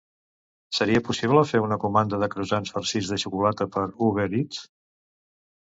Seria possible fer una comanda de croissants farcits de xocolata per Uber Eats?